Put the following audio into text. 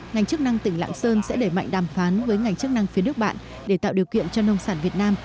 ngành chức năng tỉnh lạng sơn sẽ đẩy mạnh đàm phán với ngành chức năng phía nước bạn để tạo điều kiện cho nông sản việt nam